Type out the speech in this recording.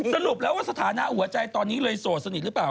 สรุปแล้วว่าสถานะหัวใจตอนนี้เลยโสดสนิทหรือเปล่า